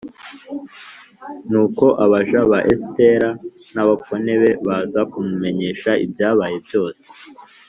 nuko abaja ba esitera n’abakone be baza kumumenyesha ibyabaye byose.